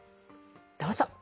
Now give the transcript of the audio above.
どうぞ。